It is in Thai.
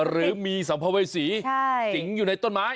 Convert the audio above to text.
หรือมีสัมภเวษีสิงอยู่ในต้นไม้